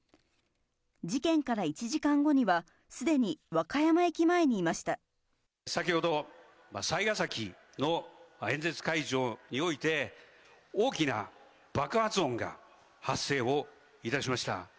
事件から１時間後には、先ほど、雑賀崎の演説会場において、大きな爆発音が発生をいたしました。